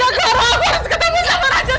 enggak karan aku harus ketemu sama raja sekarang